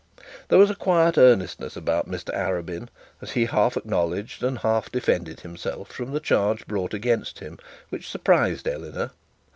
There was a quiet earnestness about Mr Arabin, as he half acknowledged and half defended himself from the charge brought against him, which surprised Eleanor.